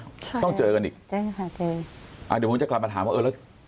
ใช่ต้องเจอกันอีกแจ้งค่ะเจออ่าเดี๋ยวผมจะกลับมาถามว่าเออแล้ว